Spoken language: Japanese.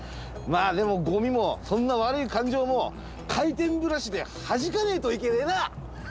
まあでもゴミもそんな悪い感情も回転ブラシではじかねえといけねえな！